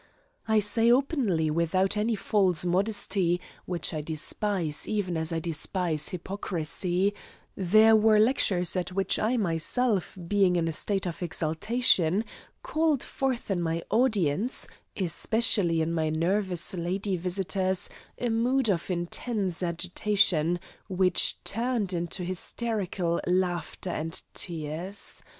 I say openly without any false modesty, which I despise even as I despise hypocrisy, there were lectures at which I myself being in a state of exaltation, called forth in my audience, especially in my nervous lady visitors, a mood of intense agitation, which turned into hysterical laughter and tears.